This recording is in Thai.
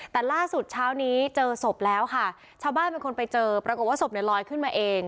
แต่ล่าสุดเช้านี้เจอศพแล้วค่ะชาวบ้านเป็นคนไปเจอปรากฏว่าศพเนี่ยลอยขึ้นมาเอง